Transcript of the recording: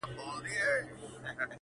دعوه د زور خو دې پښتونه تر فلکه لاړه